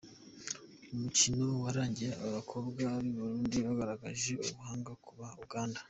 Umukino warangiye aba bakobwa b’i Burundi bagaragaje ubuhanga ku ba Uganda.